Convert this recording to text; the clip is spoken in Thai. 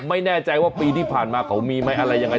ไม่แน่ใจว่าปีที่ผ่านมาเขามีไหมอะไรยังไง